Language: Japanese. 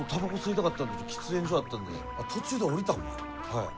はい。